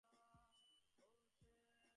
এমন কোরো না।